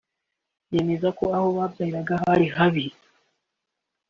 yemeza ko ngo aho babyariraga hari habi